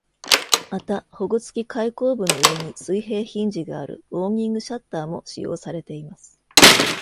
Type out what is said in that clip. また、保護付き開口部の上に水平ヒンジがあるオーニングシャッターも使用されています。